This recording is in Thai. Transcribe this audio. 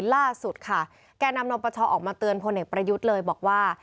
ล่าสุดค่ะแก่นำนปชออกมาเตือนพลเอกประยุทธ์เลยบอกว่า